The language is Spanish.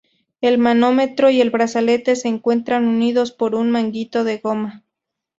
El manómetro y el brazalete se encuentran unidos por un manguito de goma.